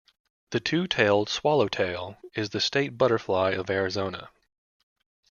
The two-tailed swallowtail is the state butterfly of Arizona.